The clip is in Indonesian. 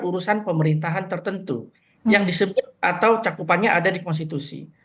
urusan pemerintahan tertentu yang disebut atau cakupannya ada di konstitusi